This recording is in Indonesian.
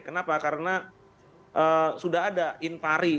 kenapa karena sudah ada infari